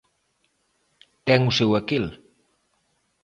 Ten o seu aquel.